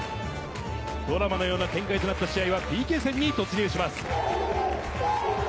ドラマのような展開となった試合はＰＫ戦に突入します。